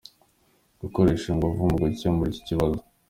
Gukoresha ingufu mu gukemura iki kibazo.